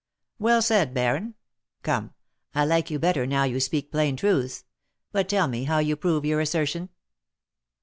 "Well said, baron! Come, I like you better now you speak plain truths. But tell me how you prove your assertion?"